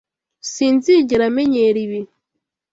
Sinzigera menyera ibi.